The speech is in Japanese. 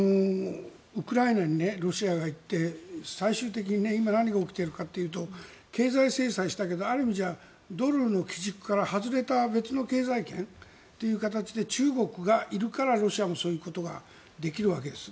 ウクライナにロシアが行って最終的に今、何が起きているかというと経済制裁したけど、ある意味ではドルの基軸から外れた別の経済圏という形で中国がいるからロシアもそういうことができるわけです。